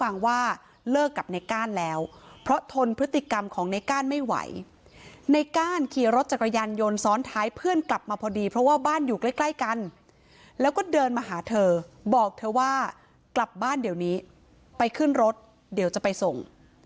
ในก้านขี่รถจากกระยันยนต์ซ้อนท้ายเพื่อนกลับมาพอดีเพราะว่าบ้านอยู่ใกล้กันแล้วก็เดินมาหาเธอบอกเธอว่ากลับบ้านเดี๋ยวนี้ไปขึ้นรถเดี๋ยวจะไปส่ง